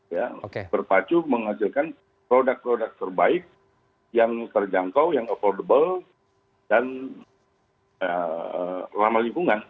ya berpacu menghasilkan produk produk terbaik yang terjangkau yang affordable dan ramah lingkungan